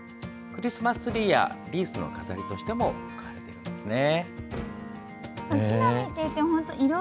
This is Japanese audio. クリスマスツリーやリースの飾りとしても使われていますね。